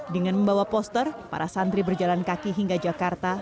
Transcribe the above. dengan membawa poster para santri berjalan kaki hingga jakarta